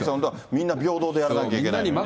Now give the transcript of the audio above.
みんな平等でやらなきゃいけないのに。